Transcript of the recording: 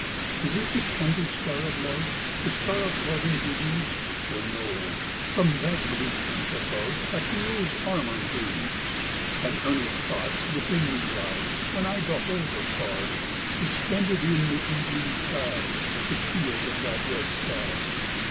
Is it the tender star of love? The star of love and dreams? Oh no! from that blue tent aboveA hero's armor gleams. And earnest thoughts within me rise, When I behold afar, Suspended in the evening skies, The shield of that red star.